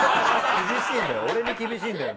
厳しいんだよ